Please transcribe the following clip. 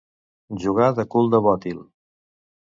Jugar de cul de bòtil.